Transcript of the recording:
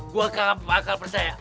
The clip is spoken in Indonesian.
gue kagak bakal percaya